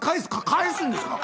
「返すんですか？